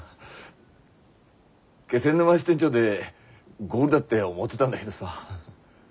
気仙沼支店長でゴールだって思ってだんだげどさ。